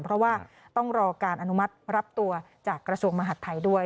เพราะว่าต้องรอการอนุมัติรับตัวจากกระทรวงมหัฐไทยด้วย